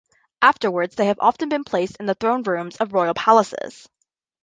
Afterwards, they have often been placed in the Throne Rooms of royal palaces.